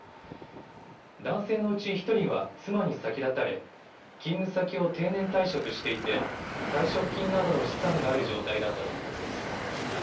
男性のうち１人は、妻に先立たれ、勤務先を定年退職していて、退職金などの資産がある状態だったということです。